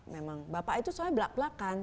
memang bapak itu soalnya belak belakan